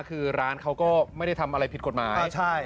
คือร้านเขาก็ไม่ได้ทำอะไรผิดกฎหมาย